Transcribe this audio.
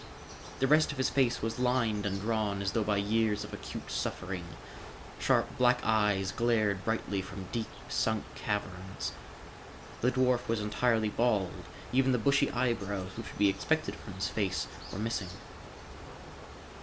The rest of his face was lined and drawn as though by years of acute suffering. Sharp black eyes glared brightly from deep sunk caverns. The dwarf was entirely bald; even the bushy eyebrows which would be expected from his face, were missing.